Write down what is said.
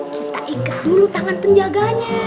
kita ikat dulu tangan penjaganya